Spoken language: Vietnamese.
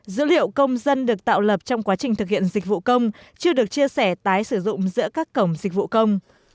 dữ liệu công dân được tạo lập trong quá trình thực hiện dịch vụ công chưa được chia sẻ tái sử dụng giữa các cổng dịch vụ công